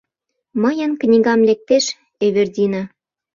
“Мыйын книгам лектеш, Эвердина!..